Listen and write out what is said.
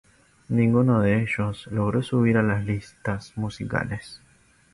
Ninguno de ellos logró subir a las listas musicales.